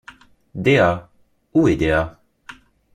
Dea! où est Dea?